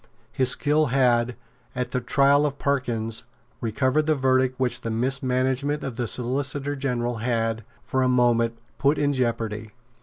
His skill had, at the trial of Parkyns, recovered the verdict which the mismanagement of the Solicitor General had, for a moment, put in jeopardy.